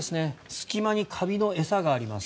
隙間にカビの餌があります。